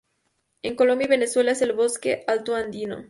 En Colombia y Venezuela es el "Bosque altoandino".